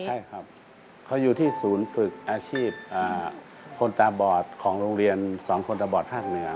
ใช่ครับเขาอยู่ที่ศูนย์ฝึกอาชีพคนตาบอดของโรงเรียน๒คนตาบอดภาคเหนือ